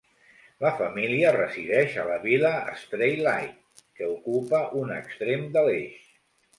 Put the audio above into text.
La família resideix a la vila Straylight, que ocupa un extrem de l'eix.